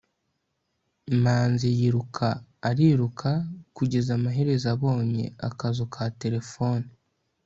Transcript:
manzi yiruka ariruka, kugeza amaherezo abonye akazu ka terefone